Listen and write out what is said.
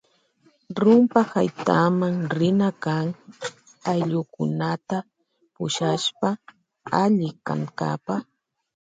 Rumpa haytayma rina kan ayllukunata pushashpa alli kankapa.